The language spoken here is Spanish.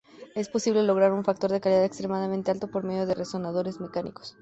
Es posible lograr un factor de calidad extremadamente alto por medio de resonadores mecánicos.